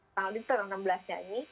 tanggal itu enam belas nyanyi